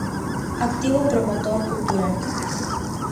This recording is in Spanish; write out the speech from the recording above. Activo promotor cultural.